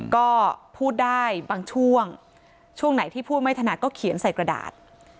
ก็พูดได้บางช่วงช่วงไหนที่พูดไม่ถนัดก็เขียนใส่กระดาษ